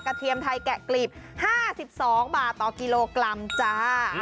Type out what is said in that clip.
เทียมไทยแกะกลีบ๕๒บาทต่อกิโลกรัมจ้า